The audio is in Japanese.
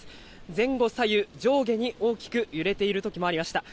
前後左右、上下に大きく揺れているときもありました。